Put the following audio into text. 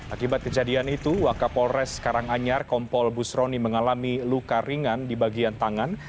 akibat kejadian itu wakapolres karanganyar kompol busroni mengalami luka ringan di bagian tangan